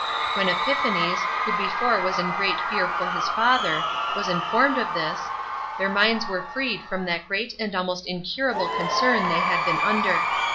When Epiphanes, who before was in great fear for his father, was informed of this, their minds were freed from that great and almost incurable concern they had been under.